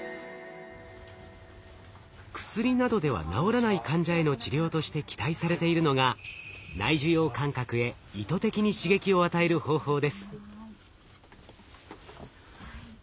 薬などでは治らない患者への治療として期待されているのが内受容感覚へ意図的に刺激を与える方法です。